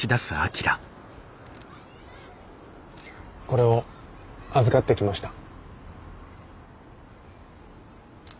これを預かってきました。